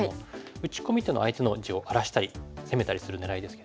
打ち込みっていうのは相手の地を荒らしたり攻めたりする狙いですけども。